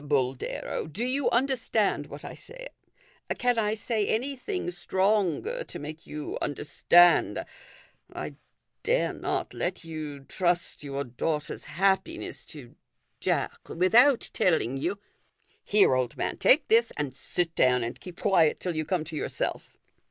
Boldero, do you understand what I say ? Can I say anything stronger to make you under stand ? I dare not let you trust your daughter's happiness to Jack without telling you "" Here, old man, take this, and sit down and keep quiet till you come to yourself."